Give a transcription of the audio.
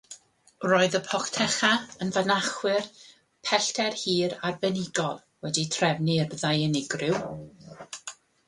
Roedd y pochteca yn fasnachwyr pellter hir arbenigol wedi'u trefnu'n urddau unigryw.